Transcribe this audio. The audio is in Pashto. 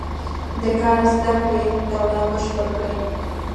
د کار زده کړې دوره بشپړه کړي.